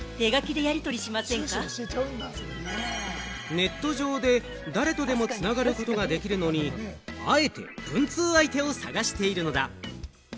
ネット上で誰とでも繋がることができるのに、あえて文通相手を探しているのだ。